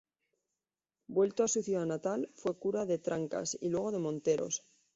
Vuelto a su ciudad natal, fue cura de Trancas y luego de Monteros.